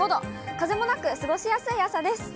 風もなく、過ごしやすい朝です。